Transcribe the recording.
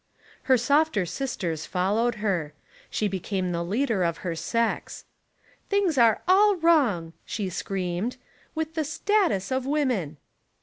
Her softer sisters followed her. She be came the leader of her sex. "Things are all wrong," she screamed, "with the status of women."